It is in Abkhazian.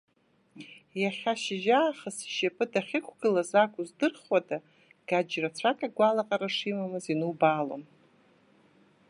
Иахьа шьыжьаахыс ишьапы дахьықәгылаз акәу здырхуада, Гаџь рацәак агәалаҟара шимамыз инубаалон.